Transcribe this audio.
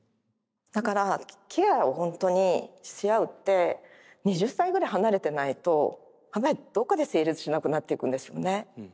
だからケアを本当にし合うって２０歳ぐらい離れてないとやっぱりどっかで成立しなくなっていくんですよね。